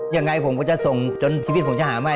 ยังไงผมก็จะส่งจนชีวิตผมจะหาไม่